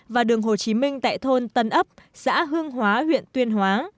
và đường hồ chí minh tại thôn tân ấp xã hương hóa huyện tuyên hóa